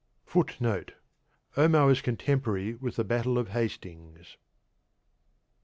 (1) (1) Omar was contemporary with the battle of Hastings.